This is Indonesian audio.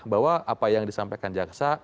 bahwa apa yang disampaikan jaksa